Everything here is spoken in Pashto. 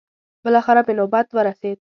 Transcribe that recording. بلاخره مې نوبت ورسېد.